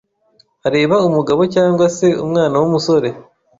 areba umugabo cyangwa se umwana w’umusore